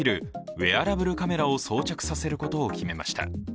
ウェアラブルカメラを装着させることを決めました。